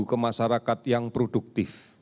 ke masyarakat yang produktif